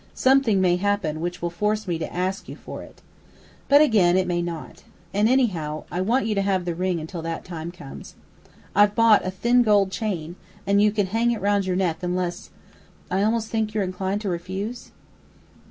Something may happen which will force me to ask you for it. But again, it may not. And, anyhow, I want you to have the ring until that time comes. I've bought a thin gold chain, and you can hang it round your neck, unless I almost think you're inclined to refuse?"